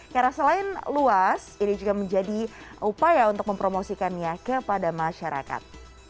karena selain luas ini juga menjadi upaya untuk mempromosikannya kepada masyarakat